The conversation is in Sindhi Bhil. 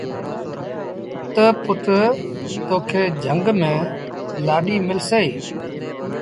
تا پُٽ تو کي جھنگ ميݩ لآڏيٚ ملسي۔